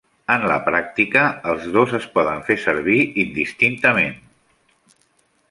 En la pràctica, els dos es poden fer servir indistintament.